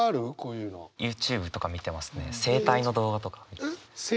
ＹｏｕＴｕｂｅとか見てますね。